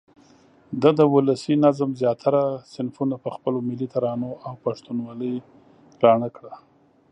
ده د ولسي نظم زیاتره صنفونه په خپلو ملي ترانو او پښتونوالې راڼه کړه.